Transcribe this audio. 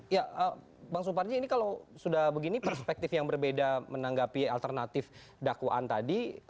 ya bang suparji ini kalau sudah begini perspektif yang berbeda menanggapi alternatif dakwaan tadi